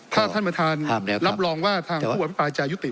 ถ้าท่านประธานห้ามแล้วครับรับรองว่าทางผู้หวัดพระอาจารย์ยุติ